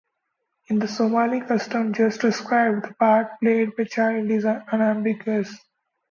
In the Somali custom just described, the part played by the child is unambiguous.